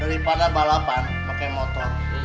daripada balapan pakai motor